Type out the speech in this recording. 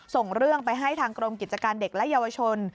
ส่งเรื่องไปให้ทางกรมกิจการเด็กและเยาวชน